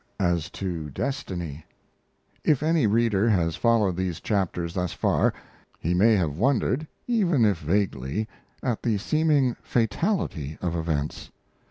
AS TO DESTINY If any reader has followed these chapters thus far, he may have wondered, even if vaguely, at the seeming fatality of events.